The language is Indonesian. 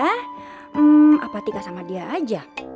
hmm apa tika sama dia aja